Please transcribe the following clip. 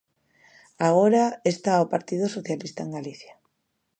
Agora está o Partido Socialista en Galicia.